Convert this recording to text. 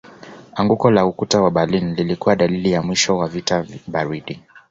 Anguko la ukuta wa Berlin lilikuwa dalili ya mwisho wa vita baridi